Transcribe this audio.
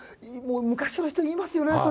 もう昔の人言いますよね